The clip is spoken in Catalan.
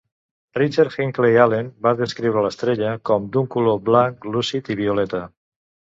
Richard Hinckley Allen va descriure l'estrella com d'un color blanc lúcid i violeta.